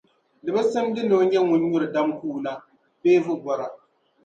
di bi simdi ni o nyɛla ŋun nyuri dam kuuna bee vubɔra.